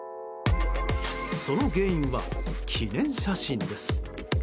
その原因は記念写真です。